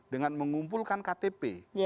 dengan mengumpulkan ktp